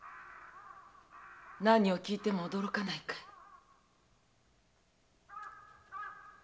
何を聞いても驚かないかい？